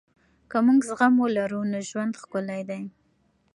که موږ زغم ولرو نو ژوند ښکلی دی.